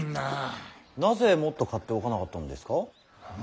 なぜもっと買っておかなかったのですか？